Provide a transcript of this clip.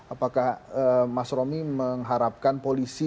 apakah mas romi mengharapkan polisi